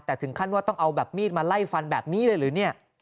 แต่ถึงขั้นว่าต้องเอาแบบมีดมาไล่ฟันแบบนี้เลยหรือเนี่ย